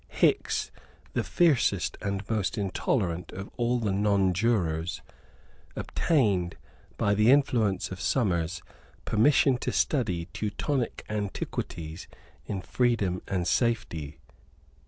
Hickes, the fiercest and most intolerant of all the nonjurors, obtained, by the influence of Somers, permission to study Teutonic antiquities in freedom and safety.